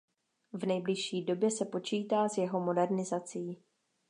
V nejbližší době se počítá s jeho modernizací.